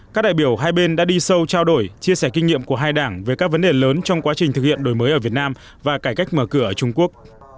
các đại biểu hai bên đã đi sâu trao đổi chia sẻ kinh nghiệm của hai đảng về các vấn đề lớn trong quá trình thực hiện đổi mới ở việt nam và cải cách mở cửa ở trung quốc